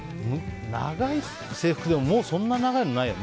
長い制服ってもうそんな長いのないよね。